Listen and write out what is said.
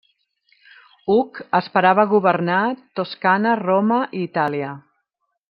Hug esperava governar Toscana, Roma, i Itàlia.